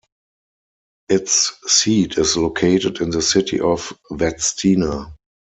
Its seat is located in the city of Vadstena.